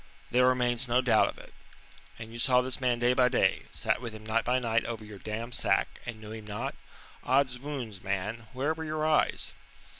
"There remains no doubt of it." "And you saw this man day by day, sat with him night by night over your damned sack, and knew him not? Oddswounds, man, where were your eyes?"